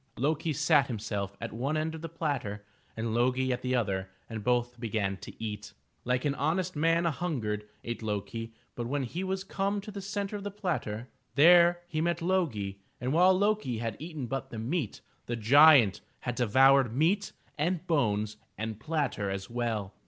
Lo'kisat himself at one end of the platter and Lo'gi at the other and both began to eat. Like an honest man an hungered, ate Lo'ki, but when he was come to the center of the platter, there he met Lo'gi, and while Lo'ki had eaten but the meat, the giant had devoured nieat and bones and platter as well!